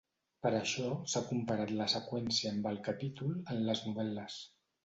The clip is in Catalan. Per això s'ha comparat la seqüència amb el capítol en les novel·les.